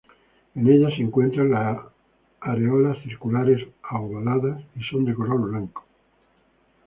En ellas se encuentran las areolas circulares a ovaladas y son de color blanco.